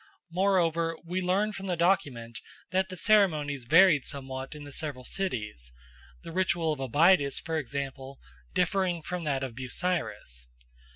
Moreover, we learn from the document that the ceremonies varied somewhat in the several cities, the ritual of Abydos, for example, differing from that of Busiris.